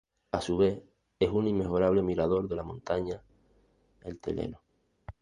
A su vez, es un inmejorable mirador de la montaña el Teleno.